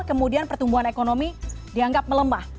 kemudian pertumbuhan ekonomi dianggap melemah